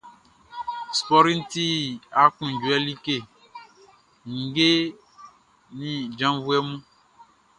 Spɔriʼn ti aklunjuɛ like nin janvuɛ mun.